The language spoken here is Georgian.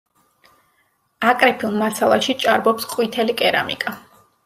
აკრეფილ მასალაში ჭარბობს ყვითელი კერამიკა.